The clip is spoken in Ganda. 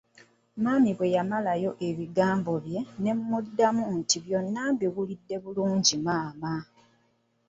Mami bwe yamalayo ebigambo bye ne mmuddamu nti byonna mbiwulidde bulungi maama.